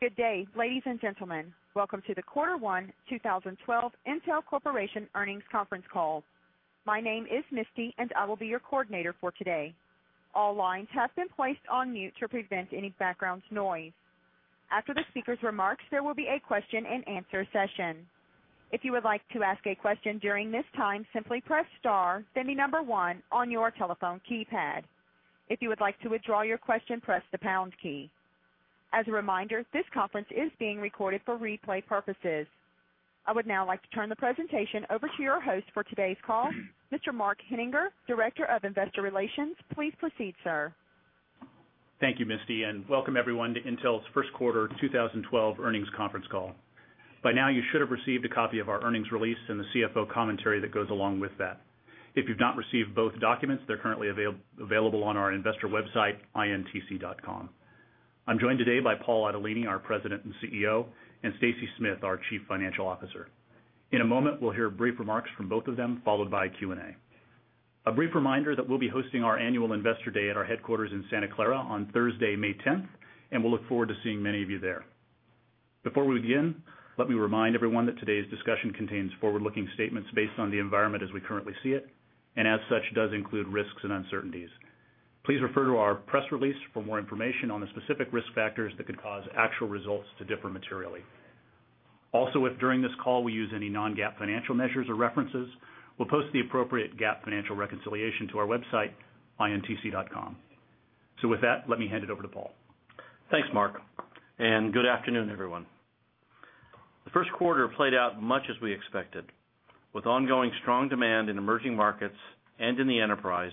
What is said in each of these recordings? Good day, ladies and gentlemen. Welcome to the Quarter One 2012 Intel Corporation Earnings Conference Call. My name is Misty, and I will be your coordinator for today. All lines have been placed on mute to prevent any background noise. After the speaker's remarks, there will be a question and answer session. If you would like to ask a question during this time, simply press Star, then the number one on your telephone keypad. If you would like to withdraw your question, press the Pound key. As a reminder, this conference is being recorded for replay purposes. I would now like to turn the presentation over to your host for today's call, Mr. Mark Henninger, Director of Investor Relations. Please proceed, sir. Thank you, Misty, and welcome everyone to Intel's First Quarter 2012 Earnings Conference Call. By now, you should have received a copy of our earnings release and the CFO commentary that goes along with that. If you've not received both documents, they're currently available on our investor website, intc.com. I'm joined today by Paul Otellini, our President and CEO, and Stacy Smith, our Chief Financial Officer. In a moment, we'll hear brief remarks from both of them, followed by Q&A. A brief reminder that we'll be hosting our annual Investor Day at our headquarters in Santa Clara on Thursday, May 10th, and we look forward to seeing many of you there. Before we begin, let me remind everyone that today's discussion contains forward-looking statements based on the environment as we currently see it, and as such, does include risks and uncertainties. Please refer to our press release for more information on the specific risk factors that could cause actual results to differ materially. Also, if during this call we use any non-GAAP financial measures or references, we'll post the appropriate GAAP financial reconciliation to our website, intc.com. With that, let me hand it over to Paul. Thanks, Mark, and good afternoon, everyone. The first quarter played out much as we expected, with ongoing strong demand in emerging markets and in the enterprise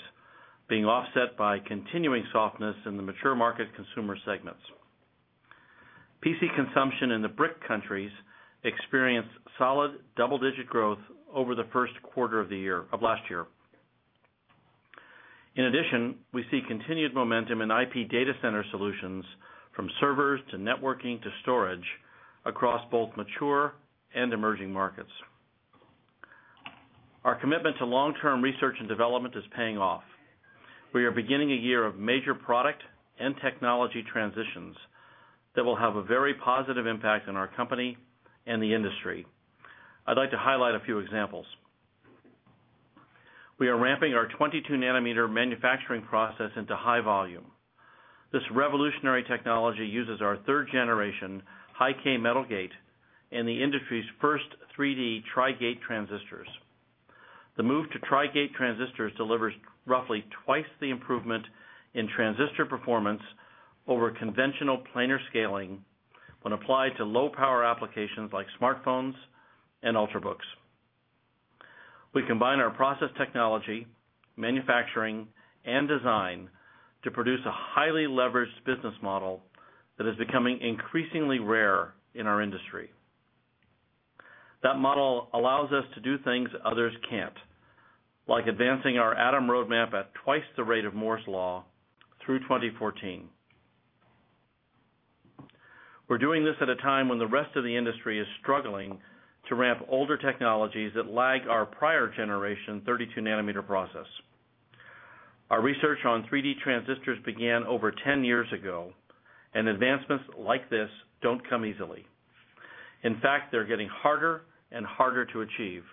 being offset by continuing softness in the mature market consumer segments. PC consumption in the BRIC countries experienced solid double-digit growth over the first quarter of the year of last year. In addition, we see continued momentum in IP data center solutions, from servers to networking to storage, across both mature and emerging markets. Our commitment to long-term research and development is paying off. We are beginning a year of major product and technology transitions that will have a very positive impact on our company and the industry. I'd like to highlight a few examples. We are ramping our 22 nm manufacturing process into high volume. This revolutionary technology uses our third-generation high-K metal gate and the industry's first 3D Tri-Gate transistors. The move to Tri-Gate transistors delivers roughly twice the improvement in transistor performance over conventional planar scaling when applied to low-power applications like smartphones and ultrabooks. We combine our process technology, manufacturing, and design to produce a highly leveraged business model that is becoming increasingly rare in our industry. That model allows us to do things others can't, like advancing our atom roadmap at twice the rate of Moore's law through 2014. We're doing this at a time when the rest of the industry is struggling to ramp older technologies that lag our prior generation 32 nm process. Our research on 3D transistors began over 10 years ago, and advancements like this don't come easily. In fact, they're getting harder and harder to achieve,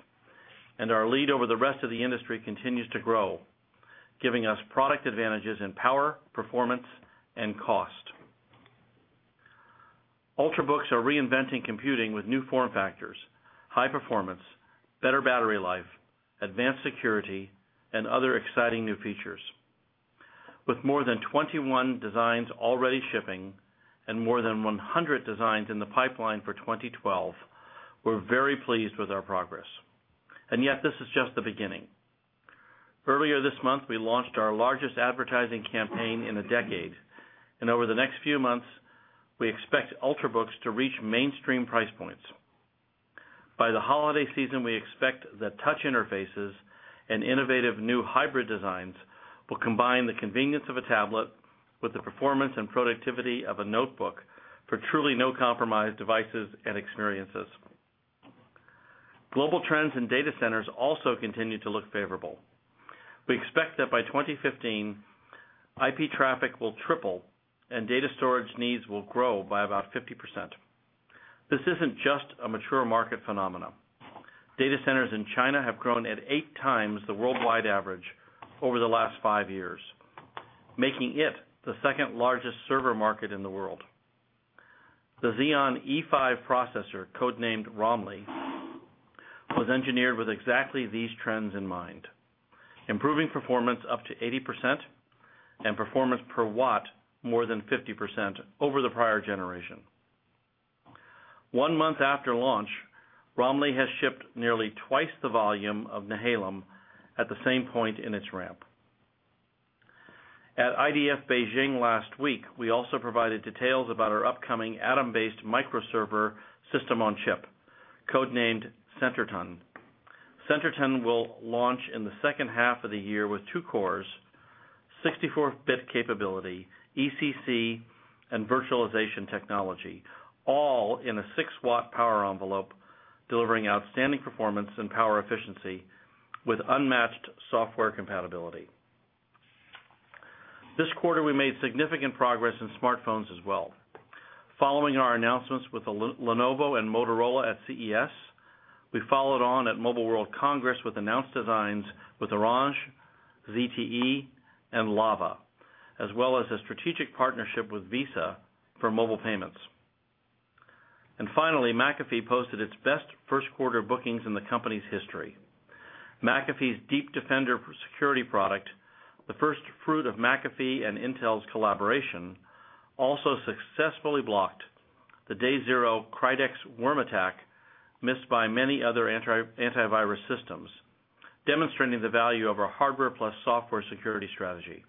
and our lead over the rest of the industry continues to grow, giving us product advantages in power, performance, and cost. Ultrabooks are reinventing computing with new form factors, high performance, better battery life, advanced security, and other exciting new features. With more than 21 designs already shipping and more than 100 designs in the pipeline for 2012, we're very pleased with our progress. This is just the beginning. Earlier this month, we launched our largest advertising campaign in a decade, and over the next few months, we expect ultrabooks to reach mainstream price points. By the holiday season, we expect that touch interfaces and innovative new hybrid designs will combine the convenience of a tablet with the performance and productivity of a notebook for truly no-compromise devices and experiences. Global trends in data centers also continue to look favorable. We expect that by 2015, IP traffic will triple, and data storage needs will grow by about 50%. This isn't just a mature market phenomenon. Data centers in China have grown at eight times the worldwide average over the last five years, making it the second largest server market in the world. The Xeon E5 processor, codenamed Romley, was engineered with exactly these trends in mind: improving performance up to 80% and performance per watt more than 50% over the prior generation. One month after launch, Romley has shipped nearly twice the volume of Nehalem at the same point in its ramp. At IDF Beijing last week, we also provided details about our upcoming Atom-based microserver system on chip, codenamed Centerton. Centerton will launch in the second half of the year with two cores, 64-bit capability, ECC, and virtualization technology, all in a 6W power envelope, delivering outstanding performance and power efficiency with unmatched software compatibility. This quarter, we made significant progress in smartphones as well. Following our announcements with Lenovo and Motorola at CES, we followed on at Mobile World Congress with announced designs with Orange, ZTE, and Lava, as well as a strategic partnership with Visa for mobile payments. Finally, McAfee posted its best first-quarter bookings in the company's history. McAfee's Deep Defender security product, the first fruit of McAfee and Intel's collaboration, also successfully blocked the day-zero Crydex worm attack missed by many other antivirus systems, demonstrating the value of our hardware plus software security strategy.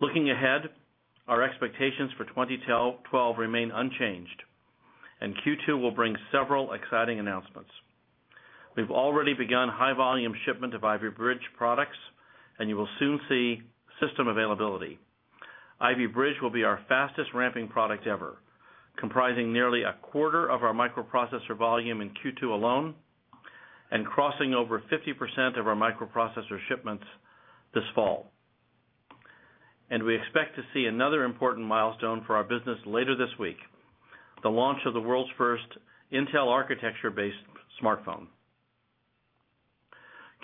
Looking ahead, our expectations for 2012 remain unchanged, and Q2 will bring several exciting announcements. We've already begun high-volume shipment of Ivy Bridge products, and you will soon see system availability. Ivy Bridge will be our fastest ramping product ever, comprising nearly a quarter of our microprocessor volume in Q2 alone and crossing over 50% of our microprocessor shipments this fall. We expect to see another important milestone for our business later this week: the launch of the world's first Intel architecture-based smartphone.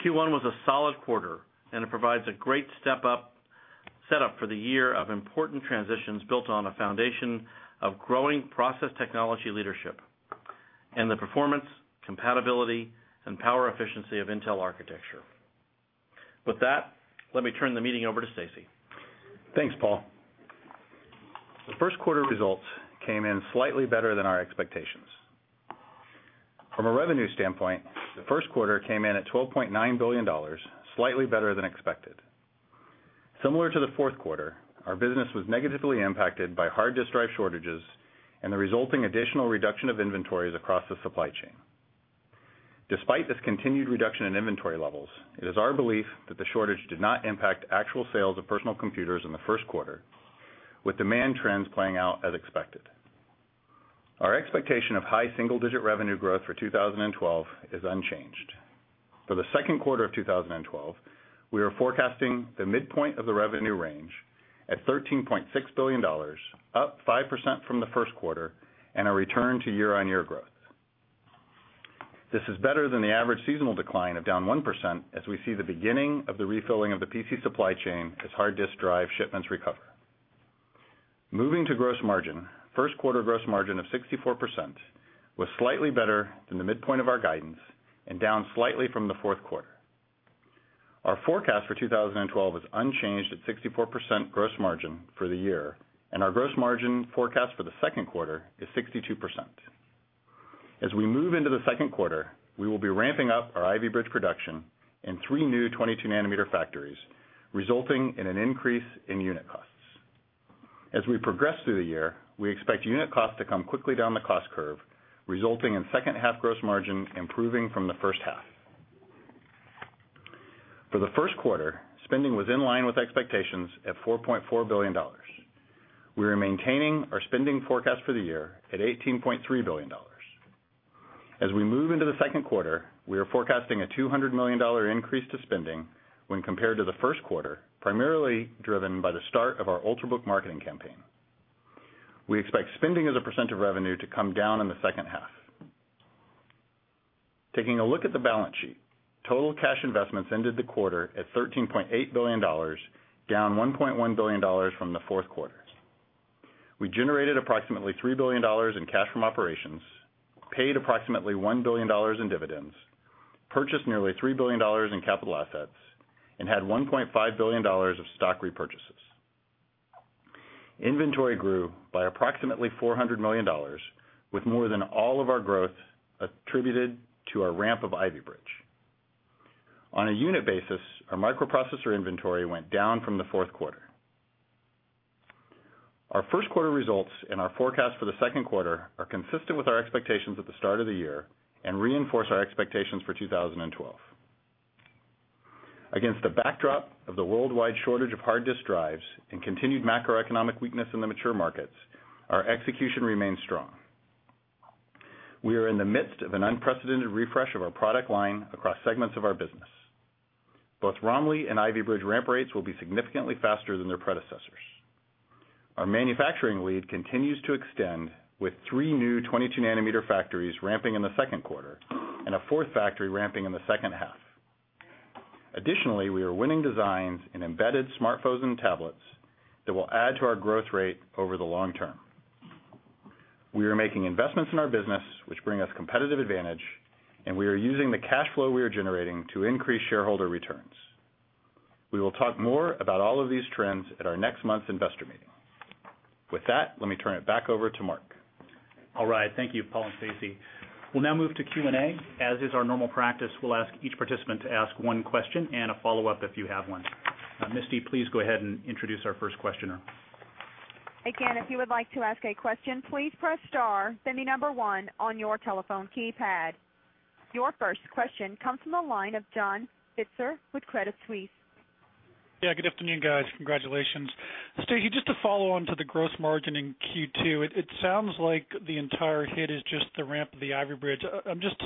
Q1 was a solid quarter, and it provides a great step-up setup for the year of important transitions built on a foundation of growing process technology leadership and the performance, compatibility, and power efficiency of Intel architecture. With that, let me turn the meeting over to Stacy. Thanks, Paul.The first quarter results came in slightly better than our expectations. From a revenue standpoint, the first quarter came in at $12.9 billion, slightly better than expected. Similar to the fourth quarter, our business was negatively impacted by hard disk drive shortages and the resulting additional reduction of inventories across the supply chain. Despite this continued reduction in inventory levels, it is our belief that the shortage did not impact actual sales of personal computers in the first quarter, with demand trends playing out as expected. Our expectation of high single-digit revenue growth for 2012 is unchanged. For the second quarter of 2012, we are forecasting the midpoint of the revenue range at $13.6 billion, up 5% from the first quarter, and a return to year-on-year growth. This is better than the average seasonal decline of down 1%, as we see the beginning of the refilling of the PC supply chain as hard disk drive shipments recover. Moving to gross margin, first quarter gross margin of 64% was slightly better than the midpoint of our guidance and down slightly from the fourth quarter. Our forecast for 2012 is unchanged at 64% gross margin for the year, and our gross margin forecast for the second quarter is 62%. As we move into the second quarter, we will be ramping up our Ivy Bridge production in three new 22 nm factories, resulting in an increase in unit costs. As we progress through the year, we expect unit costs to come quickly down the cost curve, resulting in second-half gross margin improving from the first half. For the first quarter, spending was in line with expectations at $4.4 billion. We are maintaining our spending forecast for the year at $18.3 billion. As we move into the second quarter, we are forecasting a $200 million increase to spending when compared to the first quarter, primarily driven by the start of our Ultrabook marketing campaign. We expect spending as a percent of revenue to come down in the second half. Taking a look at the balance sheet, total cash investments ended the quarter at $13.8 billion, down $1.1 billion from the fourth quarter. We generated approximately $3 billion in cash from operations, paid approximately $1 billion in dividends, purchased nearly $3 billion in capital assets, and had $1.5 billion of stock repurchases. Inventory grew by approximately $400 million, with more than all of our growth attributed to our ramp of Ivy Bridge. On a unit basis, our microprocessor inventory went down from the fourth quarter. Our first quarter results and our forecast for the second quarter are consistent with our expectations at the start of the year and reinforce our expectations for 2012. Against the backdrop of the worldwide shortage of hard disk drives and continued macroeconomic weakness in the mature markets, our execution remains strong. We are in the midst of an unprecedented refresh of our product line across segments of our business. Both Romley and Ivy Bridge ramp rates will be significantly faster than their predecessors. Our manufacturing lead continues to extend, with three new 22 nm factories ramping in the second quarter and a fourth factory ramping in the second half. Additionally, we are winning designs in embedded smartphones and tablets that will add to our growth rate over the long term. We are making investments in our business, which bring us competitive advantage, and we are using the cash flow we are generating to increase shareholder returns. We will talk more about all of these trends at our next month's investor meeting. With that, let me turn it back over to Mark. All right. Thank you, Paul and Stacy. We'll now move to Q&A. As is our normal practice, we'll ask each participant to ask one question and a follow-up if you have one. Misty, please go ahead and introduce our first questioner. Again, if you would like to ask a question, please press star, then the number one on your telephone keypad. Your first question comes from the line of John Pitzer with Credit Suisse. Yeah, good afternoon, guys. Congratulations. Stacy, just to follow on to the gross margin in Q2, it sounds like the entire hit is just the ramp of the Ivy Bridge. I just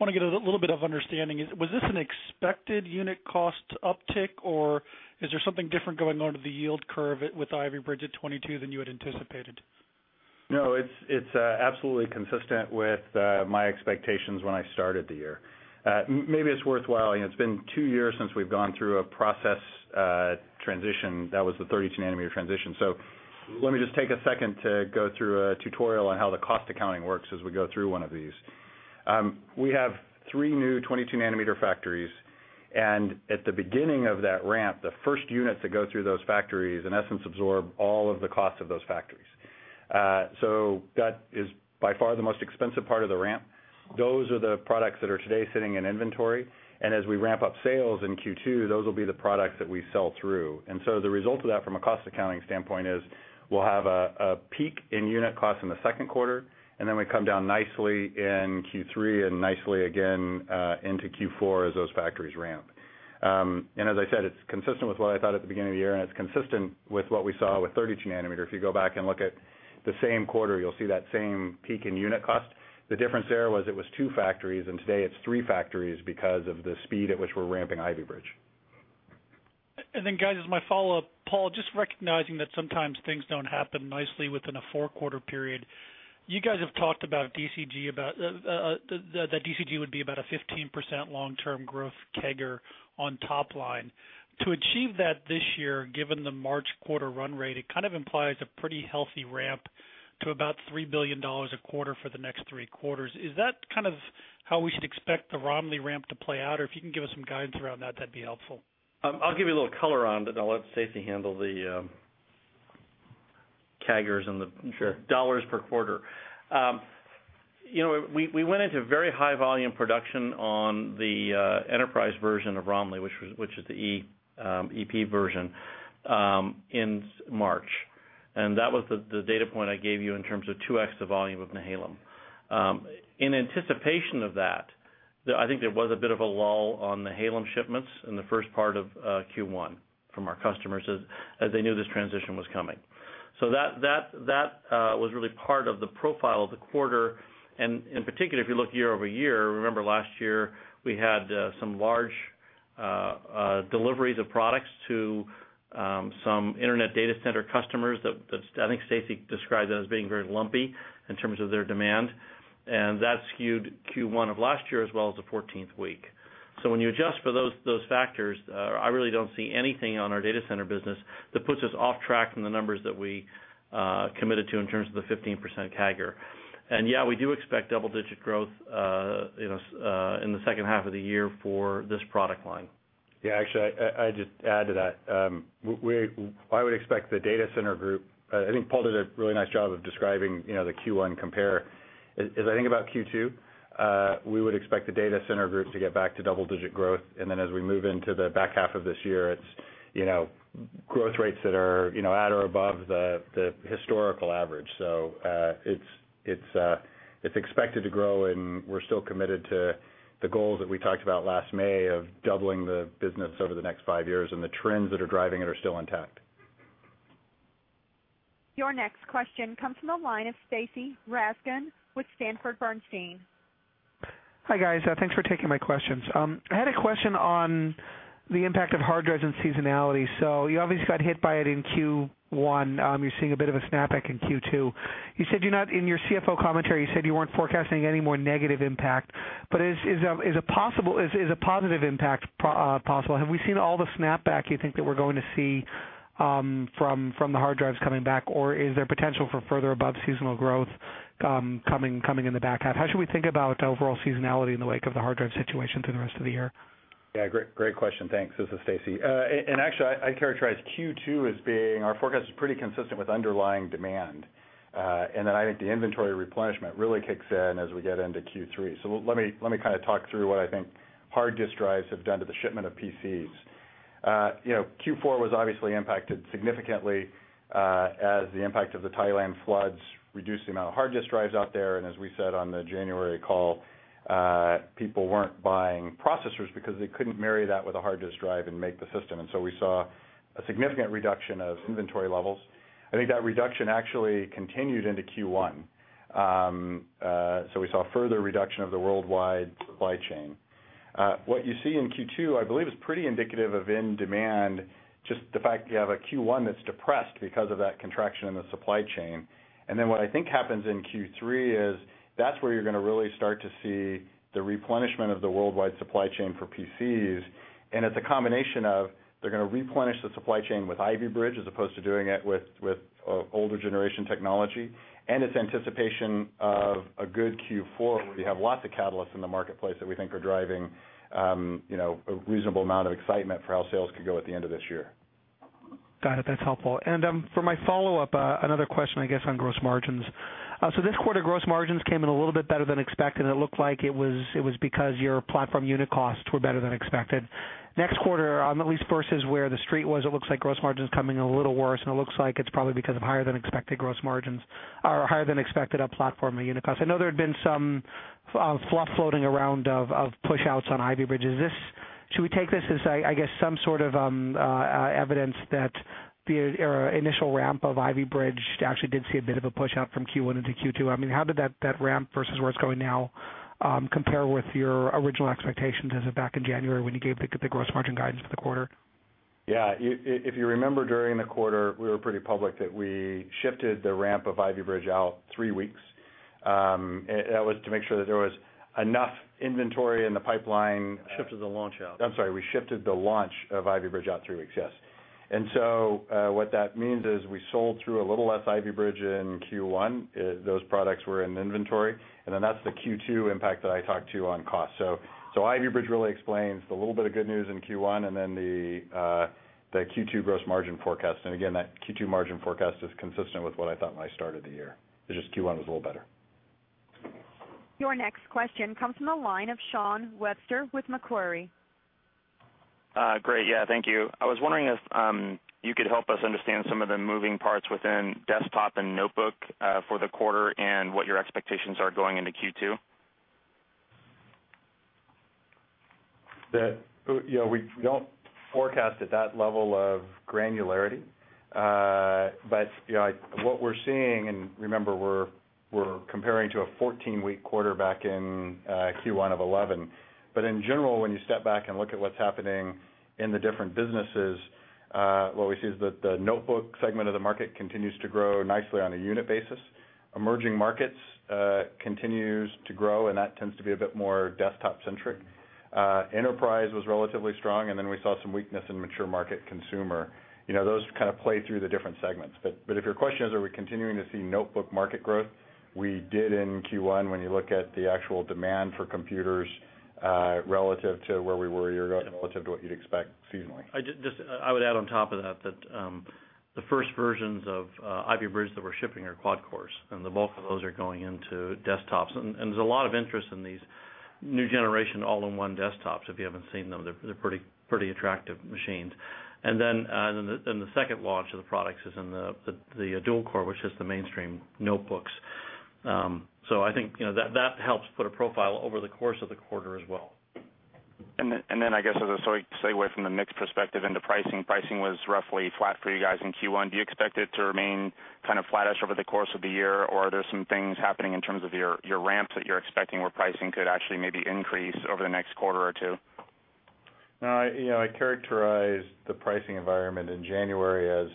want to get a little bit of understanding. Was this an expected unit cost uptick, or is there something different going on to the yield curve with Ivy Bridge at 22 than you had anticipated? No, it's absolutely consistent with my expectations when I started the year. Maybe it's worthwhile. It's been two years since we've gone through a process transition. That was the 32 nm transition. Let me just take a second to go through a tutorial on how the cost accounting works as we go through one of these. We have three new 22 nm factories, and at the beginning of that ramp, the first units that go through those factories, in essence, absorb all of the costs of those factories. That is by far the most expensive part of the ramp. Those are the products that are today sitting in inventory, and as we ramp up sales in Q2, those will be the products that we sell through. The result of that from a cost accounting standpoint is we'll have a peak in unit costs in the second quarter, and then we come down nicely in Q3 and nicely again into Q4 as those factories ramp. As I said, it's consistent with what I thought at the beginning of the year, and it's consistent with what we saw with 32 nm. If you go back and look at the same quarter, you'll see that same peak in unit cost. The difference there was it was two factories, and today it's three factories because of the speed at which we're ramping Ivy Bridge. As my follow-up, Paul, just recognizing that sometimes things don't happen nicely within a four-quarter period. You guys have talked about DCG, about that DCG would be about a 15% long-term growth CAGR on top line. To achieve that this year, given the March quarter run rate, it kind of implies a pretty healthy ramp to about $3 billion a quarter for the next three quarters. Is that kind of how we should expect the Romley ramp to play out? If you can give us some guidance around that, that'd be helpful. I'll give you a little color on it, and I'll let Stacy handle the CAGRs and the dollars per quarter. We went into very high volume production on the enterprise version of Romley, which is the EP version, in March. That was the data point I gave you in terms of 2x the volume of Nehalem. In anticipation of that, I think there was a bit of a lull on Nehalem shipments in the first part of Q1 from our customers as they knew this transition was coming. That was really part of the profile of the quarter. In particular, if you look year over year, remember last year we had some large deliveries of products to some internet data center customers that I think Stacy described as being very lumpy in terms of their demand. That skewed Q1 of last year as well as the 14th week. When you adjust for those factors, I really don't see anything on our data center business that puts us off track from the numbers that we committed to in terms of the 15% CAGR. Yeah, we do expect double-digit growth in the second half of the year for this product line. Actually, I'd just add to that. I would expect the Data Center Group, I think Paul did a really nice job of describing the Q1 compare. As I think about Q2, we would expect the Data Center Group to get back to double-digit growth. As we move into the back half of this year, it's growth rates that are at or above the historical average. It's expected to grow, and we're still committed to the goals that we talked about last May of doubling the business over the next five years, and the trends that are driving it are still intact. Your next question comes from the line of Stacy Rasgon with Bernstein Research. Hi, guys. Thanks for taking my questions. I had a question on the impact of hard drives and seasonality. You obviously got hit by it in Q1. You're seeing a bit of a snapback in Q2. In your CFO commentary, you said you weren't forecasting any more negative impact, but is a positive impact possible? Have we seen all the snapback you think that we're going to see from the hard drives coming back, or is there potential for further above-seasonal growth coming in the back half? How should we think about overall seasonality in the wake of the hard drive situation through the rest of the year? Yeah, great question. Thanks. This is Stacy. Actually, I'd characterize Q2 as being our forecast is pretty consistent with underlying demand. I think the inventory replenishment really kicks in as we get into Q3. Let me kind of talk through what I think hard disk drives have done to the shipment of PCs. Q4 was obviously impacted significantly as the impact of the Thailand floods reduced the amount of hard disk drives out there. As we said on the January call, people weren't buying processors because they couldn't marry that with a hard disk drive and make the system. We saw a significant reduction of inventory levels. I think that reduction actually continued into Q1. We saw further reduction of the worldwide supply chain. What you see in Q2, I believe, is pretty indicative of in-demand, just the fact you have a Q1 that's depressed because of that contraction in the supply chain. What I think happens in Q3 is that's where you're going to really start to see the replenishment of the worldwide supply chain for PCs. It's a combination of they're going to replenish the supply chain with Ivy Bridge as opposed to doing it with older generation technology. It's anticipation of a good Q4. We have lots of catalysts in the marketplace that we think are driving a reasonable amount of excitement for how sales could go at the end of this year. Got it. That's helpful. For my follow-up, another question, I guess, on gross margins. This quarter, gross margins came in a little bit better than expected. It looked like it was because your platform unit costs were better than expected. Next quarter, at least versus where the street was, it looks like gross margins are coming in a little worse, and it looks like it's probably because of higher than expected gross margins or higher than expected platform unit costs. I know there had been some fluff floating around of push-outs on Ivy Bridge. Should we take this as, I guess, some sort of evidence that the initial ramp of Ivy Bridge actually did see a bit of a push-out from Q1 into Q2? How did that ramp versus where it's going now compare with your original expectations as of back in January when you gave the gross margin guidance for the quarter? Yeah, if you remember, during the quarter, we were pretty public that we shifted the ramp of Ivy Bridge out three weeks. That was to make sure that there was enough inventory in the pipeline. Shifted the launch out. I'm sorry, we shifted the launch of Ivy Bridge out three weeks, yes. What that means is we sold through a little less Ivy Bridge in Q1. Those products were in inventory, and that's the Q2 impact that I talked to on cost. Ivy Bridge really explains the little bit of good news in Q1 and the Q2 gross margin forecast. That Q2 margin forecast is consistent with what I thought when I started the year. It's just Q1 was a little better. Your next question comes from the line of Sean Webster with Macquarie. Great. Yeah, thank you. I was wondering if you could help us understand some of the moving parts within desktop and notebook for the quarter, and what your expectations are going into Q2. You know, we don't forecast at that level of granularity. What we're seeing, and remember, we're comparing to a 14-week quarter back in Q1 of 2011. In general, when you step back and look at what's happening in the different businesses, what we see is that the notebook segment of the market continues to grow nicely on a unit basis. Emerging markets continue to grow, and that tends to be a bit more desktop-centric. Enterprise was relatively strong, and we saw some weakness in mature market consumer. Those kind of play through the different segments. If your question is, are we continuing to see notebook market growth? We did in Q1 when you look at the actual demand for computers relative to where we were a year ago and relative to what you'd expect seasonally. I would add on top of that that the first versions of Ivy Bridge that we're shipping are quad-cores, and the bulk of those are going into desktops. There's a lot of interest in these new generation all-in-one desktops. If you haven't seen them, they're pretty attractive machines. The second launch of the products is in the dual-core, which is the mainstream notebooks. I think that helps put a profile over the course of the quarter as well. I guess as a segue from the mix perspective into pricing, pricing was roughly flat for you guys in Q1. Do you expect it to remain kind of flattish over the course of the year, or are there some things happening in terms of your ramps that you're expecting where pricing could actually maybe increase over the next quarter or two? No, I characterize the pricing environment in January as,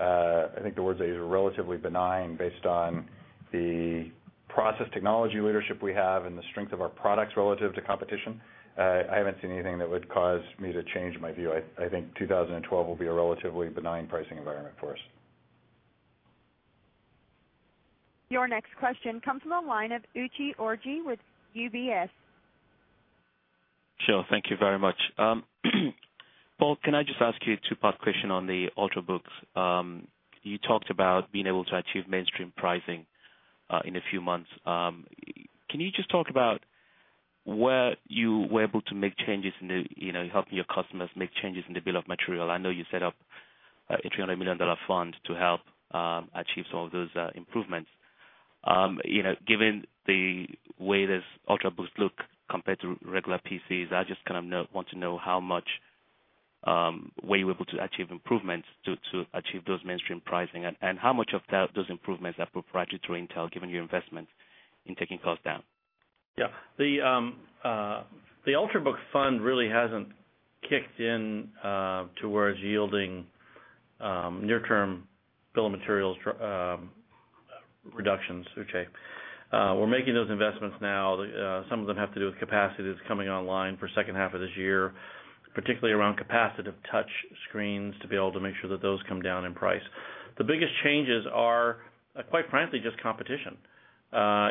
I think the words I used are relatively benign based on the process technology leadership we have and the strength of our products relative to competition. I haven't seen anything that would cause me to change my view. I think 2012 will be a relatively benign pricing environment for us. Your next question comes from the line of Uche Orji with UBS. Thank you very much. Paul, can I just ask you a two-part question on the Ultrabooks? You talked about being able to achieve mainstream pricing in a few months. Can you just talk about where you were able to make changes in helping your customers make changes in the bill of material? I know you set up a $300 million fund to help achieve some of those improvements. Given the way this Ultrabook looks compared to regular PCs, I just kind of want to know how much were you able to achieve improvements to achieve those mainstream pricing and how much of those improvements are proprietary to Intel, given your investment in taking costs down? Yeah, the Ultrabook fund really hasn't kicked in towards yielding near-term bill of materials reductions. We're making those investments now. Some of them have to do with capacity that's coming online for the second half of this year, particularly around capacitive touch screens to be able to make sure that those come down in price. The biggest changes are, quite frankly, just competition. I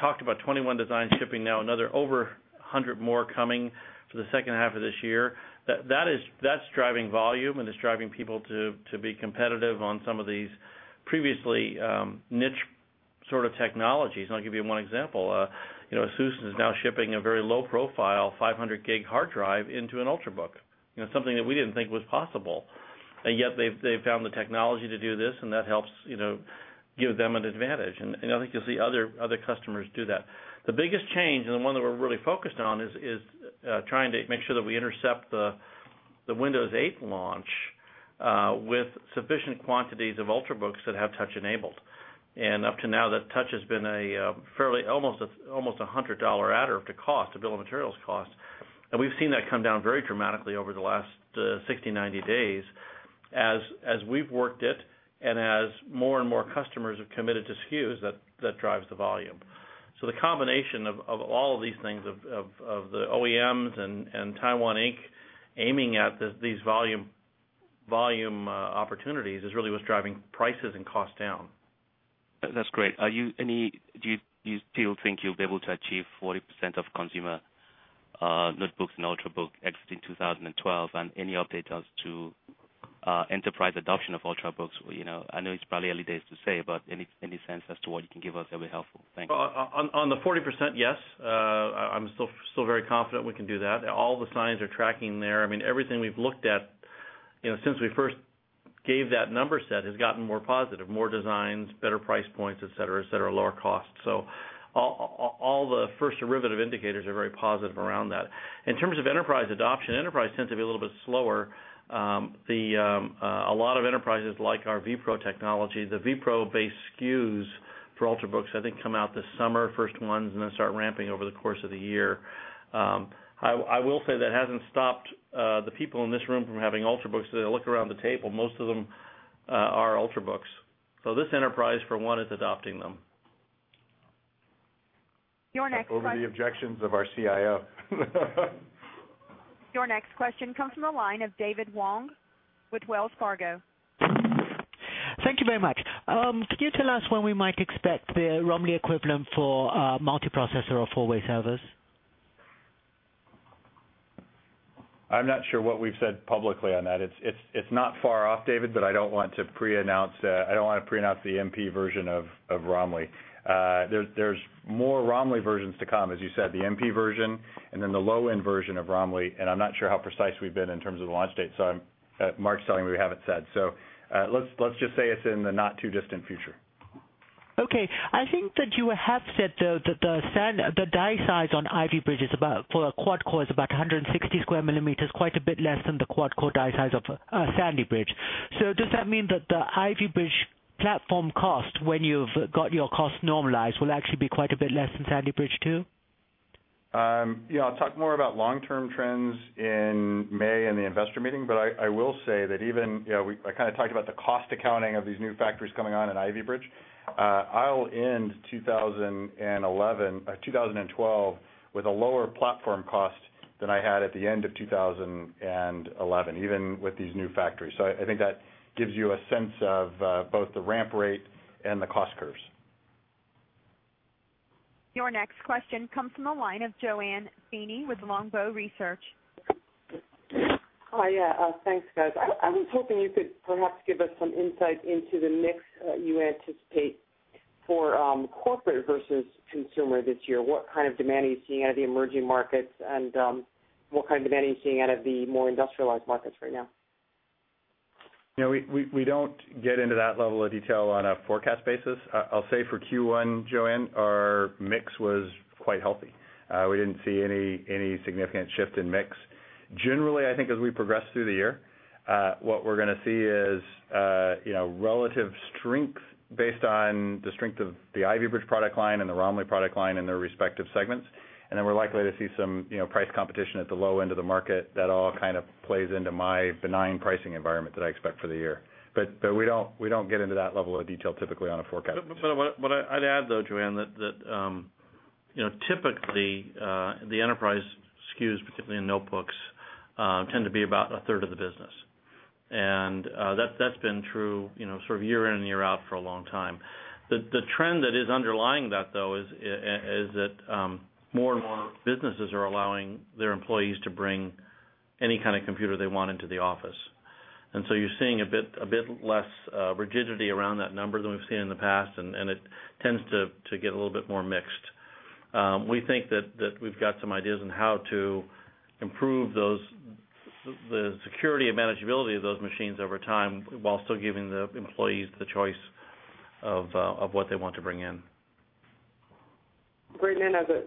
talked about 21 designs shipping now, another over 100 more coming for the second half of this year. That's driving volume, and it's driving people to be competitive on some of these previously niche sort of technologies. I'll give you one example. Susan is now shipping a very low-profile 500 gig hard drive into an Ultrabook, something that we didn't think was possible. Yet they've found the technology to do this, and that helps give them an advantage. I think you'll see other customers do that. The biggest change and the one that we're really focused on is trying to make sure that we intercept the Windows 8 launch with sufficient quantities of Ultrabooks that have touch enabled. Up to now, that touch has been a fairly almost $100 add-up to cost, to bill of materials cost. We've seen that come down very dramatically over the last 60, 90 days as we've worked it and as more and more customers have committed to SKUs that drive the volume. The combination of all of these things, of the OEMs and Taiwan Inc., aiming at these volume opportunities is really what's driving prices and costs down. That's great. Do you still think you'll be able to achieve 40% of consumer notebooks and Ultrabook exiting 2012, and any updates as to enterprise adoption of Ultrabooks? I know it's probably early days to say, but any sense as to what you can give us, that would be helpful. Thank you. On the 40%, yes. I'm still very confident we can do that. All the signs are tracking there. I mean, everything we've looked at since we first gave that number set has gotten more positive, more designs, better price points, etc., lower costs. All the first derivative indicators are very positive around that. In terms of enterprise adoption, enterprise tends to be a little bit slower. A lot of enterprises like our vPro technology, the vPro-based SKUs for Ultrabooks, I think, come out this summer, first ones, and then start ramping over the course of the year. I will say that hasn't stopped the people in this room from having Ultrabooks as they look around the table. Most of them are Ultrabooks. This enterprise, for one, is adopting them. Your next question. Over the objections of our CIO. Your next question comes from the line of David Wong with Wells Fargo. Thank you very much. Could you tell us when we might expect the Romley equivalent for a multiprocessor or four-way servers? I'm not sure what we've said publicly on that. It's not far off, David, but I don't want to pre-announce the MP version of Romley. There's more Romley versions to come, as you said, the MP version and then the low-end version of Romley. I'm not sure how precise we've been in terms of the launch date. Mark's telling me we haven't said. Let's just say it's in the not-too-distant future. Okay. I think that you have said, though, that the die size on Ivy Bridge is about, for a quad-core, is about 160 sq mm, quite a bit less than the quad-core die size of Sandy Bridge. Does that mean that the Ivy Bridge platform cost, when you've got your costs normalized, will actually be quite a bit less than Sandy Bridge too? I'll talk more about long-term trends in May and the investor meeting. I will say that even I kind of talked about the cost accounting of these new factories coming on in Ivy Bridge. I'll end 2012 with a lower platform cost than I had at the end of 2011, even with these new factories. I think that gives you a sense of both the ramp rate and the cost curves. Your next question comes from the line of JoAnne Feeney with Longbow Research. Hi, yeah, thanks, guys. I was hoping you could perhaps give us some insight into the mix you anticipate for corporate versus consumer this year. What kind of demand are you seeing out of the emerging markets, and what kind of demand are you seeing out of the more industrialized markets right now? We don't get into that level of detail on a forecast basis. I'll say for Q1, JoAnne, our mix was quite healthy. We didn't see any significant shift in mix. Generally, I think as we progress through the year, what we're going to see is relative strength based on the strength of the Ivy Bridge product line and the Xeon E5 product line in their respective segments. We're likely to see some price competition at the low end of the market. That all kind of plays into my benign pricing environment that I expect for the year. We don't get into that level of detail typically on a forecast. I'd add, though, JoAnne, that typically the enterprise SKUs, particularly in notebooks, tend to be about a third of the business. That's been true sort of year in and year out for a long time. The trend that is underlying that, though, is that more and more businesses are allowing their employees to bring any kind of computer they want into the office. You're seeing a bit less rigidity around that number than we've seen in the past, and it tends to get a little bit more mixed. We think that we've got some ideas on how to improve the security and manageability of those machines over time while still giving the employees the choice of what they want to bring in. Bringing in as a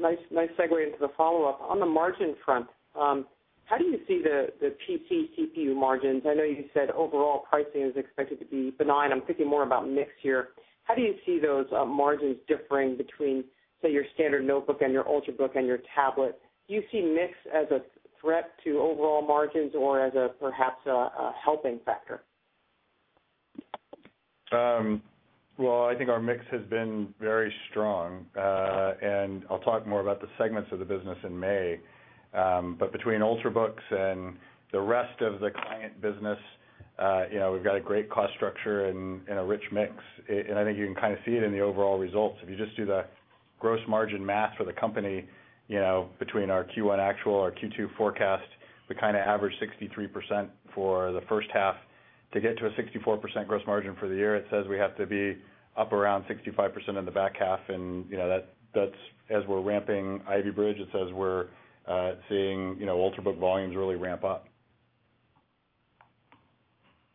nice segue into the follow-up, on the margin front, how do you see the PC CPU margins? I know you said overall pricing is expected to be benign. I'm thinking more about mix here. How do you see those margins differing between, say, your standard notebook and your Ultrabook and your tablet? Do you see mix as a threat to overall margins or as perhaps a helping factor? I think our mix has been very strong. I'll talk more about the segments of the business in May. Between Ultrabooks and the rest of the client business, we've got a great cost structure and a rich mix. I think you can kind of see it in the overall results. If you just do the gross margin math for the company, between our Q1 actual or Q2 forecast, we kind of average 63% for the first half. To get to a 64% gross margin for the year, it says we have to be up around 65% in the back half. As we're ramping Ivy Bridge, it says we're seeing Ultrabook volumes really ramp up.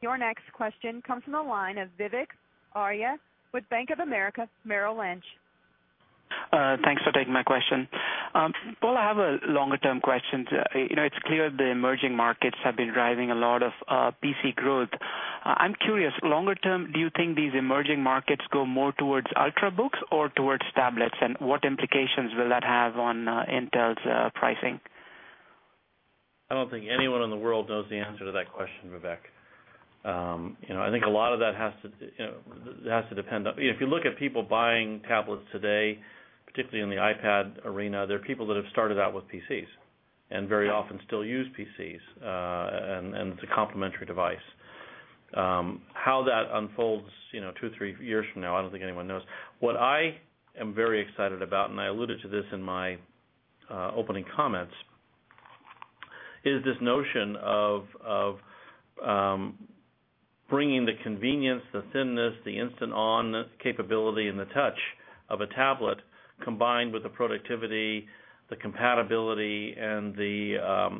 Your next question comes from the line of Vivek Arya with Bank of America Merrill Lynch. Thanks for taking my question. Paul, I have a longer-term question. It's clear the emerging markets have been driving a lot of PC growth. I'm curious, longer term, do you think these emerging markets go more towards Ultrabooks or towards tablets, and what implications will that have on Intel's pricing? I don't think anyone in the world knows the answer to that question, Vivek. I think a lot of that has to depend on, if you look at people buying tablets today, particularly in the iPad arena, there are people that have started out with PCs and very often still use PCs, and it's a complementary device. How that unfolds two or three years from now, I don't think anyone knows. What I am very excited about, and I alluded to this in my opening comments, is this notion of bringing the convenience, the thinness, the instant-on capability in the touch of a tablet combined with the productivity, the compatibility, and the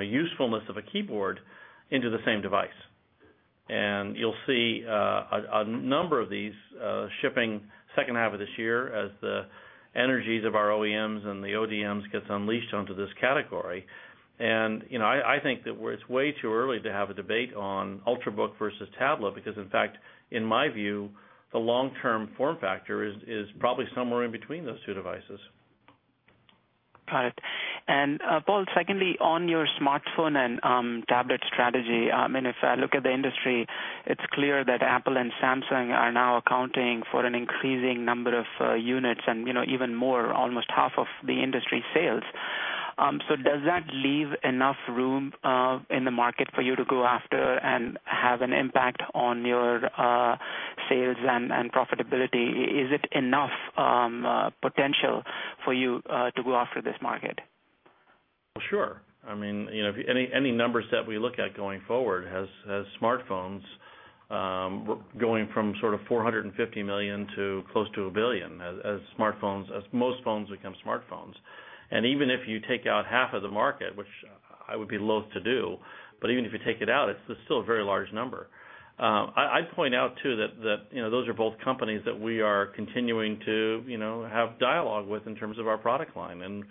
usefulness of a keyboard into the same device. You will see a number of these shipping the second half of this year as the energies of our OEMs and the ODMs get unleashed onto this category. I think that it's way too early to have a debate on Ultrabook versus tablet because, in fact, in my view, the long-term form factor is probably somewhere in between those two devices. Got it. Paul, secondly, on your smartphone and tablet strategy, I mean, if I look at the industry, it's clear that Apple and Samsung are now accounting for an increasing number of units and even more, almost half of the industry sales. Does that leave enough room in the market for you to go after and have an impact on your sales and profitability? Is it enough potential for you to go after this market? I mean, any numbers that we look at going forward have smartphones going from sort of $450 million to close to $1 billion as most phones become smartphones. Even if you take out half of the market, which I would be loath to do, but even if you take it out, it's still a very large number. I'd point out too that those are both companies that we are continuing to have dialogue with in terms of our product line.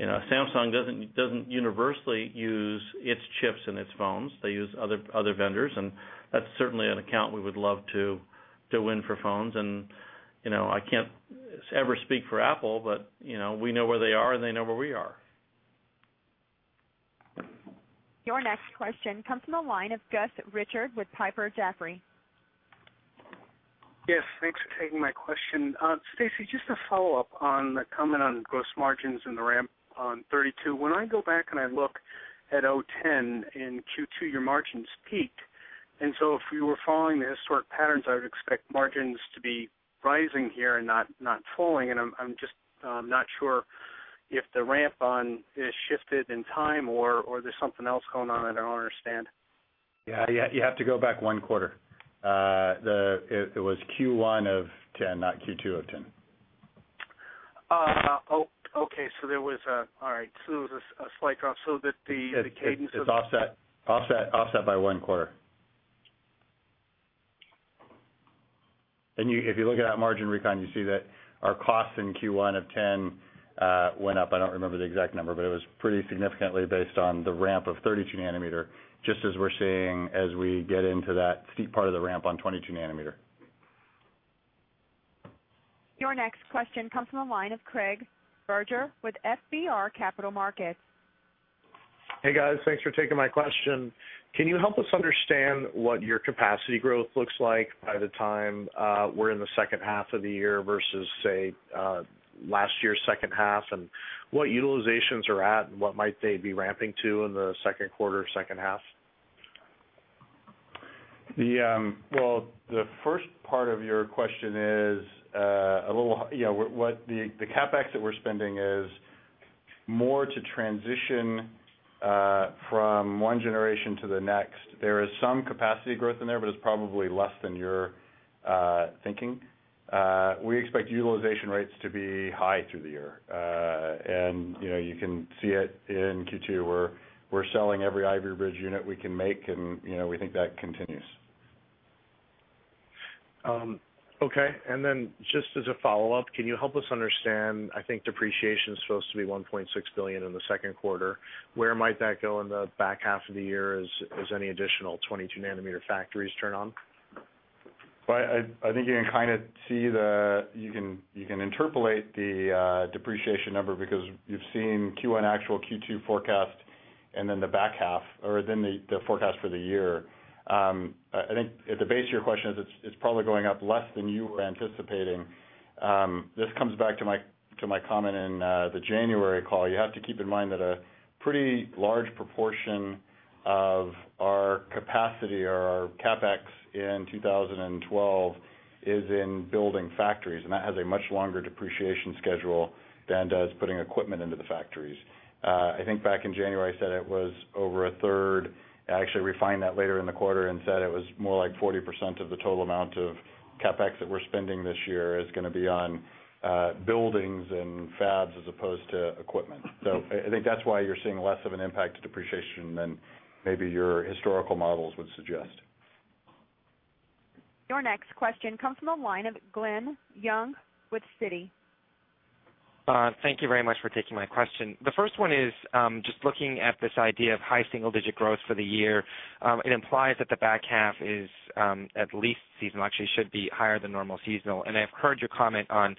Samsung doesn't universally use its chips in its phones. They use other vendors, and that's certainly an account we would love to win for phones. I can't ever speak for Apple, but we know where they are, and they know where we are. Your next question comes from the line of Gus Richard with Piper Jaffray. Yes, thanks for taking my question. Stacy, just a follow-up on the comment on gross margins and the ramp on 32. When I go back and I look at 2010, in Q2, your margins peaked. If we were following the historic patterns, I would expect margins to be rising here and not falling. I'm just not sure if the ramp on is shifted in time or there's something else going on that I don't understand. You have to go back one quarter. It was Q1 of 2010, not Q2 of 2010. Okay, so there was a slight drop. The cadence of. It's offset, offset by one quarter. If you look at that margin recon, you see that our costs in Q1 of 2010 went up. I don't remember the exact number, but it was pretty significant based on the ramp of 32 nm just as we're seeing as we get into that steep part of the ramp on 22 nm. Your next question comes from the line of Craig Berger with FBR Capital Markets. Hey, guys, thanks for taking my question. Can you help us understand what your capacity growth looks like by the time we're in the second half of the year versus, say, last year's second half, and what utilizations are at and what might they be ramping to in the second quarter or second half? The first part of your question is a little, you know, what the CapEx that we're spending is more to transition from one generation to the next. There is some capacity growth in there, but it's probably less than you're thinking. We expect utilization rates to be high through the year. You can see it in Q2. We're selling every Ivy Bridge unit we can make, and we think that continues. Okay. Just as a follow-up, can you help us understand, I think depreciation is supposed to be $1.6 billion in the second quarter. Where might that go in the back half of the year as any additional 22 nm factories turn on? I think you can kind of see that you can interpolate the depreciation number because you've seen Q1 actual, Q2 forecast, and then the back half, or the forecast for the year. I think at the base of your question is it's probably going up less than you were anticipating. This comes back to my comment in the January call. You have to keep in mind that a pretty large proportion of our capacity or our CapEx in 2012 is in building factories, and that has a much longer depreciation schedule than putting equipment into the factories. I think back in January, I said it was over a third. I actually refined that later in the quarter and said it was more like 40% of the total amount of CapEx that we're spending this year is going to be on buildings and fabs as opposed to equipment. I think that's why you're seeing less of an impact on depreciation than maybe your historical models would suggest. Your next question comes from the line of Glen Young with Citi. Thank you very much for taking my question. The first one is just looking at this idea of high single-digit growth for the year. It implies that the back half is at least seasonal, actually should be higher than normal seasonal. I've heard your comment on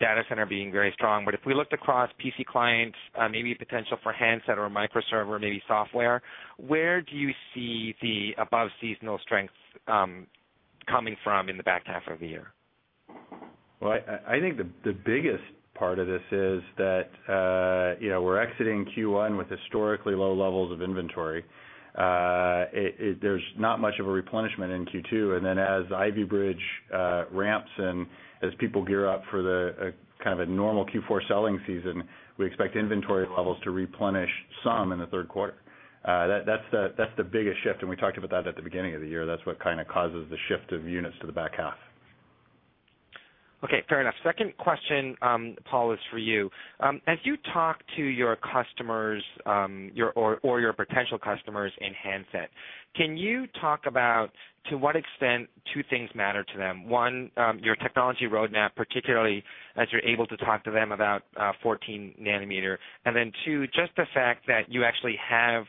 Data Center being very strong. If we looked across PC clients, maybe potential for handset or microserver, maybe software, where do you see the above-seasonal strengths coming from in the back half of the year? I think the biggest part of this is that we're exiting Q1 with historically low levels of inventory. There's not much of a replenishment in Q2, and as Ivy Bridge ramps and as people gear up for kind of a normal Q4 selling season, we expect inventory levels to replenish some in the third quarter. That's the biggest shift. We talked about that at the beginning of the year. That's what kind of causes the shift of units to the back half. Okay, fair enough. Second question, Paul, is for you. As you talk to your customers or your potential customers in handset, can you talk about to what extent two things matter to them? One, your technology roadmap, particularly as you're able to talk to them about 14 nm, and then two, just the fact that you actually have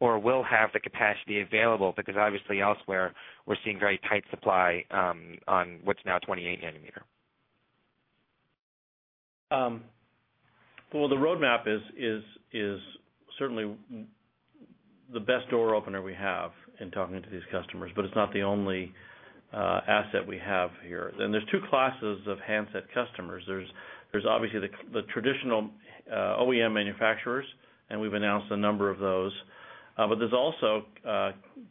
or will have the capacity available because obviously elsewhere we're seeing very tight supply on what's now 28 nm. The roadmap is certainly the best door opener we have in talking to these customers, but it's not the only asset we have here. There are two classes of handset customers. There are obviously the traditional OEM manufacturers, and we've announced a number of those. There's also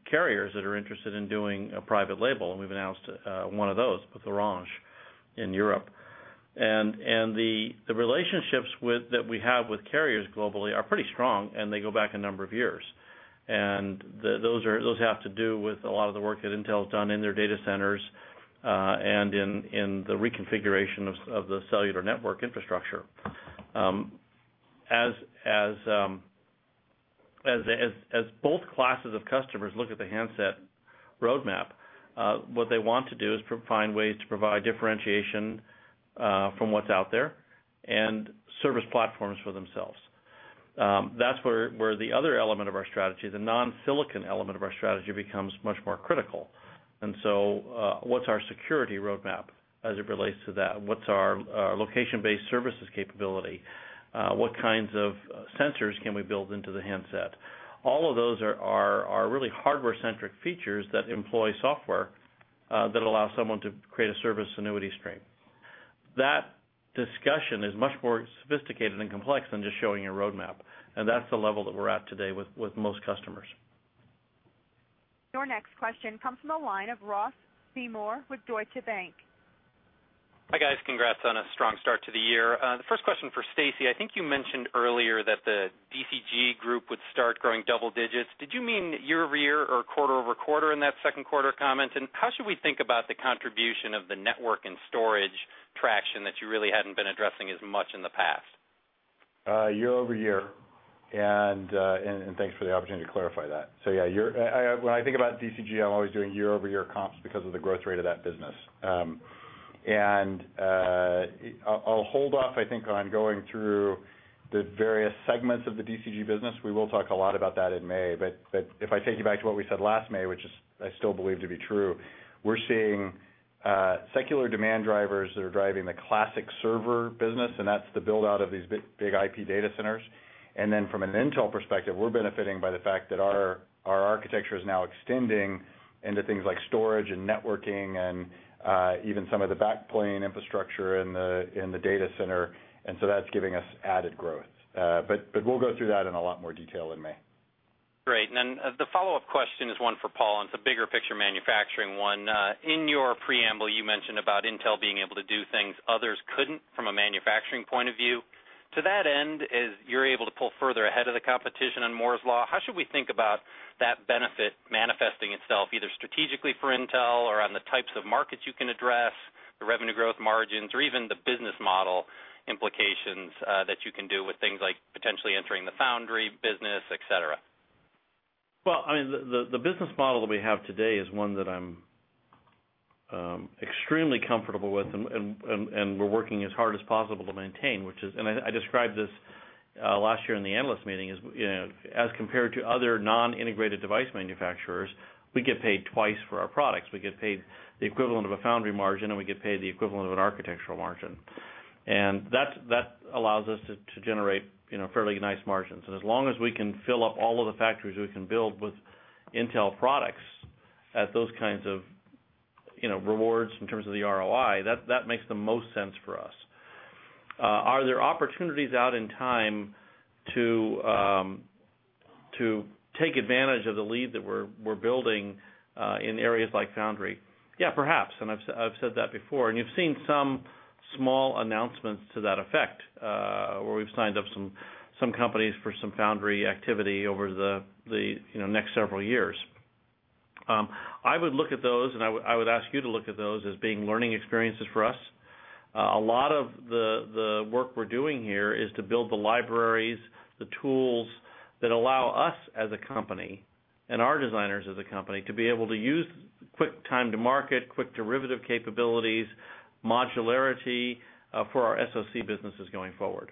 carriers that are interested in doing a private label, and we've announced one of those with Orange in Europe. The relationships that we have with carriers globally are pretty strong, and they go back a number of years. Those have to do with a lot of the work that Intel has done in their data centers and in the reconfiguration of the cellular network infrastructure. As both classes of customers look at the handset roadmap, what they want to do is find ways to provide differentiation from what's out there and service platforms for themselves. That's where the other element of our strategy, the non-silicon element of our strategy, becomes much more critical. What's our security roadmap as it relates to that? What's our location-based services capability? What kinds of sensors can we build into the handset? All of those are really hardware-centric features that employ software that allow someone to create a service annuity stream. That discussion is much more sophisticated and complex than just showing your roadmap. That's the level that we're at today with most customers. Your next question comes from the line of Ross Seymore with Deutsche Bank. Hi, guys. Congrats on a strong start to the year. The first question for Stacy, I think you mentioned earlier that the DCG Group would start growing double digits. Did you mean year-over-year or quarter-over-quarter in that second quarter comment? How should we think about the contribution of the network and storage traction that you really hadn't been addressing as much in the past? Year-over-year. Thanks for the opportunity to clarify that. When I think about DCG, I'm always doing year-over-year comps because of the growth rate of that business. I'll hold off on going through the various segments of the DCG business. We will talk a lot about that in May. If I take you back to what we said last May, which I still believe to be true, we're seeing secular demand drivers that are driving the classic server business, and that's the build-out of these big IP data centers. From an Intel perspective, we're benefiting by the fact that our architecture is now extending into things like storage and networking and even some of the backplane infrastructure in the data center. That's giving us added growth. We'll go through that in a lot more detail in May. Great. The follow-up question is one for Paul, and it's a bigger picture manufacturing one. In your preamble, you mentioned about Intel being able to do things others couldn't from a manufacturing point of view. To that end, as you're able to pull further ahead of the competition on Moore's law, how should we think about that benefit manifesting itself either strategically for Intel or on the types of markets you can address, the revenue growth margins, or even the business model implications that you can do with things like potentially entering the foundry business, etc.? The business model that we have today is one that I'm extremely comfortable with, and we're working as hard as possible to maintain. I described this last year in the analyst meeting as compared to other non-integrated device manufacturers, we get paid twice for our products. We get paid the equivalent of a foundry margin, and we get paid the equivalent of an architectural margin. That allows us to generate fairly nice margins. As long as we can fill up all of the factories we can build with Intel products at those kinds of rewards in terms of the ROI, that makes the most sense for us. Are there opportunities out in time to take advantage of the lead that we're building in areas like foundry? Yeah, perhaps I've said that before. You've seen some small announcements to that effect where we've signed up some companies for some foundry activity over the next several years. I would look at those, and I would ask you to look at those as being learning experiences for us. A lot of the work we're doing here is to build the libraries, the tools that allow us as a company and our designers as a company to be able to use quick time-to-market, quick derivative capabilities, modularity for our SoC businesses going forward.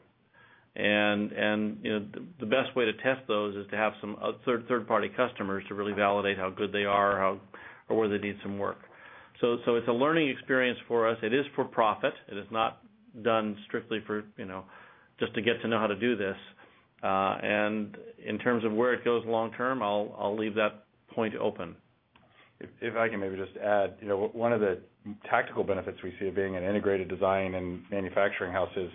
The best way to test those is to have some third-party customers to really validate how good they are or where they need some work. It's a learning experience for us. It is for profit. It is not done strictly for just to get to know how to do this. In terms of where it goes long-term, I'll leave that point open. If I can maybe just add, one of the tactical benefits we see of being an integrated design and manufacturing house is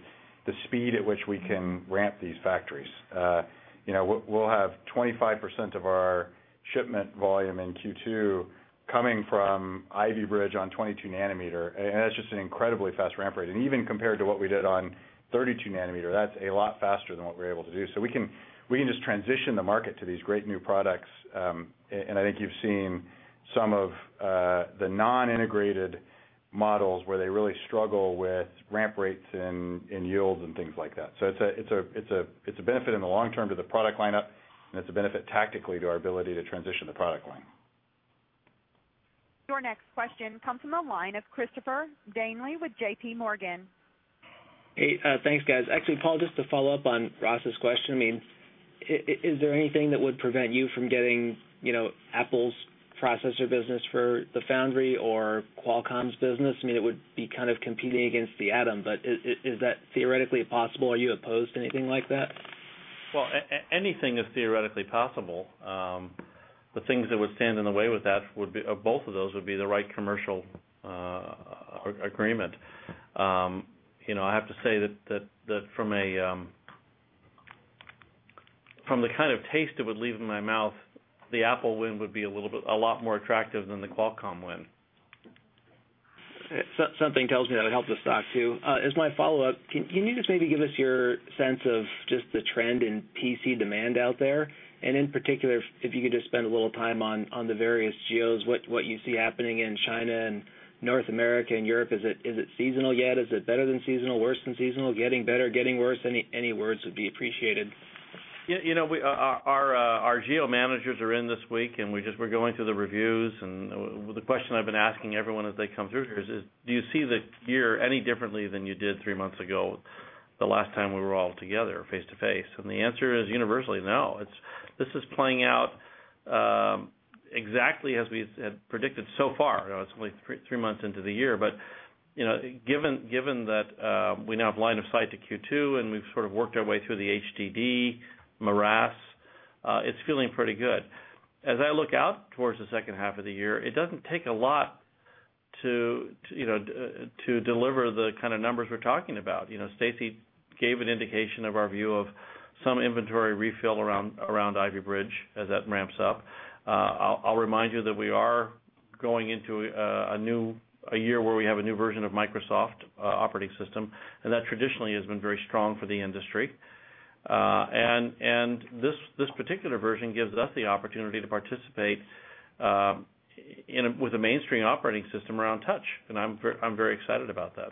the speed at which we can ramp these factories. We'll have 25% of our shipment volume in Q2 coming from Ivy Bridge on 22 nm, and that's just an incredibly fast ramp rate. Even compared to what we did on 32 nm, that's a lot faster than what we're able to do. We can just transition the market to these great new products. I think you've seen some of the non-integrated models where they really struggle with ramp rates and yields and things like that. It's a benefit in the long term to the product lineup, and it's a benefit tactically to our ability to transition the product line. Your next question comes from the line of Christopher Danely with JP Morgan. Hey, thanks, guys. Actually, Paul, just to follow up on Ross's question, is there anything that would prevent you from getting Apple's processor business for the foundry or Qualcomm's business? It would be kind of competing against the Atom, but is that theoretically possible? Are you opposed to anything like that? Anything is theoretically possible. The things that would stand in the way of both of those would be the right commercial agreement. I have to say that from the kind of taste it would leave in my mouth, the Apple win would be a lot more attractive than the Qualcomm win. Something tells me that would help the stock too. As my follow-up, can you just maybe give us your sense of just the trend in PC demand out there? In particular, if you could just spend a little time on the various geos, what you see happening in China and North America and Europe? Is it seasonal yet? Is it better than seasonal, worse than seasonal, getting better, getting worse? Any words would be appreciated. Our geo managers are in this week, and we're going through the reviews. The question I've been asking everyone as they come through here is, do you see the year any differently than you did three months ago, the last time we were all together face-to-face? The answer is universally no. This is playing out exactly as we had predicted so far. It's only three months into the year, but given that we now have line of sight to Q2 and we've sort of worked our way through the HDD, Maras, it's feeling pretty good. As I look out towards the second half of the year, it doesn't take a lot to deliver the kind of numbers we're talking about. Stacy gave an indication of our view of some inventory refill around Ivy Bridge as that ramps up. I'll remind you that we are going into a year where we have a new version of Microsoft operating system, and that traditionally has been very strong for the industry. This particular version gives us the opportunity to participate with a mainstream operating system around touch, and I'm very excited about that.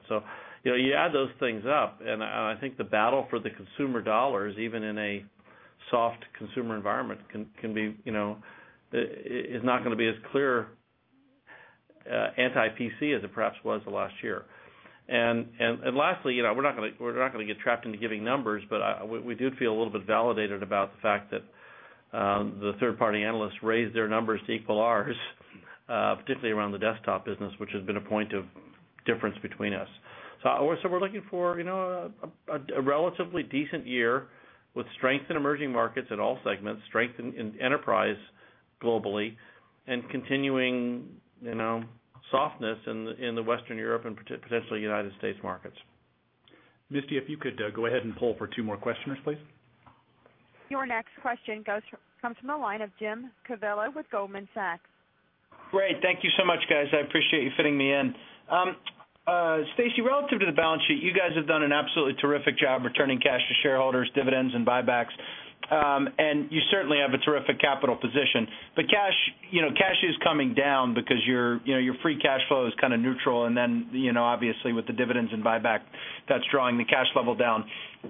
You add those things up, and I think the battle for the consumer dollars, even in a soft consumer environment, is not going to be as clear anti-PC as it perhaps was the last year. Lastly, we're not going to get trapped into giving numbers, but we did feel a little bit validated about the fact that the third-party analysts raised their numbers to equal ours, particularly around the desktop business, which has been a point of difference between us. We're looking for a relatively decent year with strength in emerging markets in all segments, strength in enterprise globally, and continuing softness in the Western Europe and potentially United States markets. Misty, if you could go ahead and pull for two more questioners, please. Your next question comes from the line of Jim Covello with Goldman Sachs. Great, thank you so much, guys. I appreciate you fitting me in. Stacy, relative to the balance sheet, you guys have done an absolutely terrific job returning cash to shareholders, dividends, and buybacks. You certainly have a terrific capital position. Cash is coming down because your free cash flow is kind of neutral. Obviously, with the dividends and buyback, that's drawing the cash level down.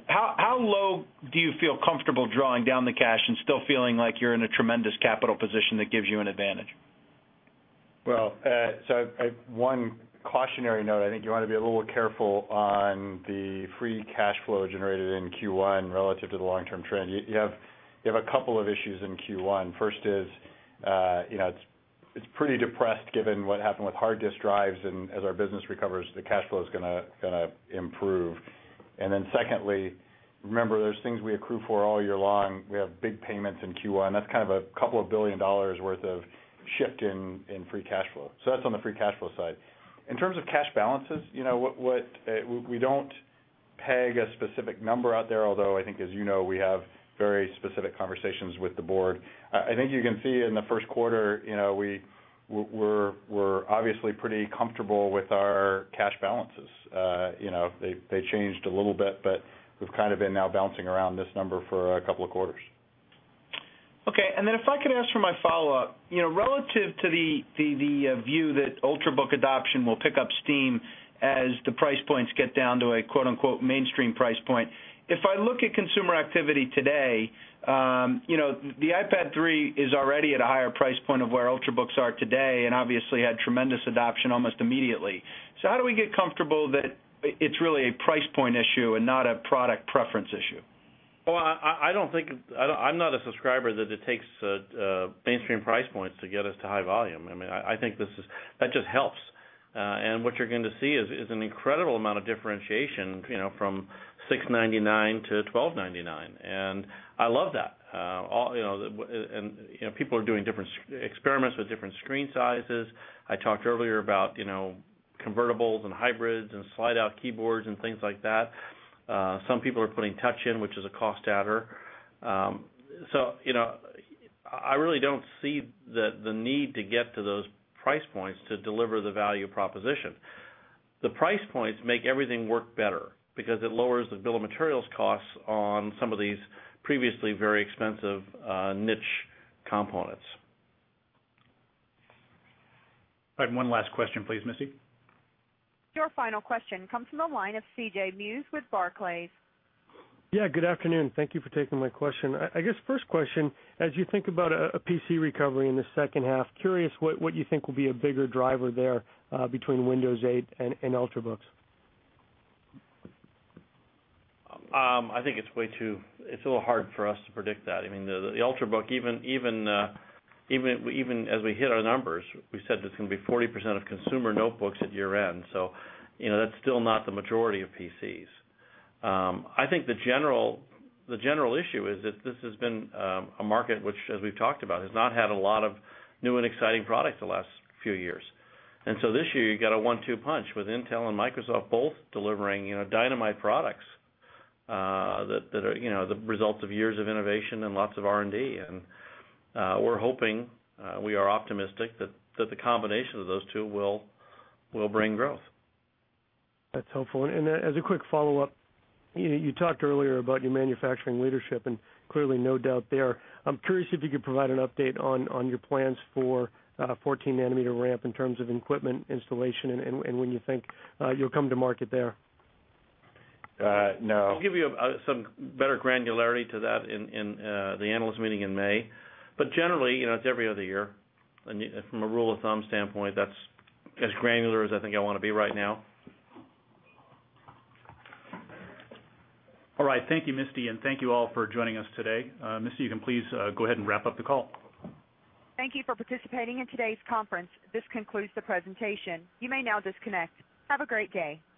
How low do you feel comfortable drawing down the cash and still feeling like you're in a tremendous capital position that gives you an advantage? One cautionary note, I think you want to be a little careful on the free cash flow generated in Q1 relative to the long-term trend. You have a couple of issues in Q1. First, it's pretty depressed given what happened with hard disk drives. As our business recovers, the cash flow is going to improve. Secondly, remember there are things we accrue for all year long. We have big payments in Q1. That's kind of a couple of billion dollars worth of shift in free cash flow. That's on the free cash flow side. In terms of cash balances, you know we don't peg a specific number out there, although I think as you know, we have very specific conversations with the board. I think you can see in the first quarter, you know we're obviously pretty comfortable with our cash balances. They changed a little bit, but we've kind of been now bouncing around this number for a couple of quarters. Okay, and then if I could ask for my follow-up, you know, relative to the view that Ultrabook adoption will pick up steam as the price points get down to a "mainstream" price point. If I look at consumer activity today, the iPad 3 is already at a higher price point than where Ultrabooks are today and obviously had tremendous adoption almost immediately. How do we get comfortable that it's really a price point issue and not a product preference issue? I don't think I'm a subscriber that it takes mainstream price points to get us to high volume. I think that just helps. What you're going to see is an incredible amount of differentiation from $6.99-$12.99. I love that. People are doing different experiments with different screen sizes. I talked earlier about convertibles and hybrids and slide-out keyboards and things like that. Some people are putting touch in, which is a cost adder. I really don't see the need to get to those price points to deliver the value proposition. The price points make everything work better because it lowers the bill of materials costs on some of these previously very expensive niche components. All right, one last question, please, Misty. Your final question comes from the line of CJ Muse with Barclays. Good afternoon. Thank you for taking my question. I guess first question, as you think about a PC recovery in the second half, curious what you think will be a bigger driver there between Windows 8 and Ultrabooks. I think it's a little hard for us to predict that. I mean, the Ultrabook, even as we hit our numbers, we said it's going to be 40% of consumer notebooks at year end. That's still not the majority of PCs. I think the general issue is that this has been a market which, as we've talked about, has not had a lot of new and exciting products the last few years. This year, you got a one-two punch with Intel and Microsoft both delivering dynamite products that are the results of years of innovation and lots of R&D. We're hoping, we are optimistic that the combination of those two will bring growth. That's hopeful. As a quick follow-up, you talked earlier about your manufacturing leadership and clearly no doubt there. I'm curious if you could provide an update on your plans for a 14 nm ramp in terms of equipment installation and when you think you'll come to market there. No. I'll give you some better granularity to that in the analyst meeting in May. Generally, you know it's every other year, and from a rule of thumb standpoint, that's as granular as I think I want to be right now. All right, thank you, Misty, and thank you all for joining us today. Misty, you can please go ahead and wrap up the call. Thank you for participating in today's conference. This concludes the presentation. You may now disconnect. Have a great day.